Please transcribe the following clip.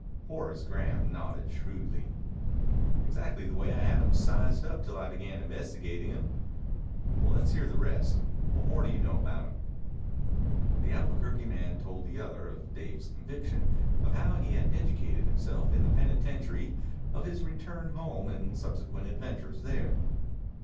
Horace Graham nodded shrewdly. "Exactly the way I had him sized up till I began investigating him. Well, let's hear the rest. What more do you know about him?" The Albuquerque man told the other of Dave's conviction, of how he had educated himself in the penitentiary, of his return home and subsequent adventures there.